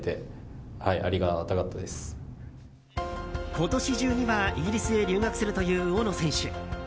今年中には、イギリスへ留学するという大野選手。